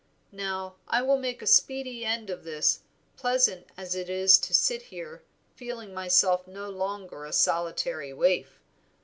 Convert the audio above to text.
Now I will make a speedy end of this, pleasant as it is to sit here feeling myself no longer a solitary waif.